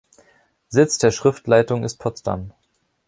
Sitz der Schriftleitung ist Potsdam.